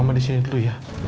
aku mau ke sini dulu ya